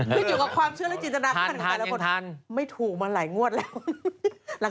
มันอยู่กับความเชื่อและจินตนาข้างหลังไปแล้วทุกคนไม่ถูกมาหลายงวดแล้ว